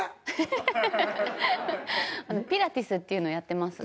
ピラティスっていうのやってます。